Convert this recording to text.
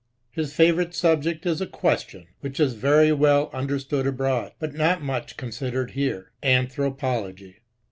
His favourite subject is a question, which is very well understood abroad, but not much con sidered here. Anthropology.